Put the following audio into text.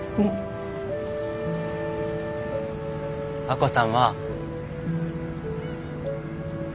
亜子さんは強い。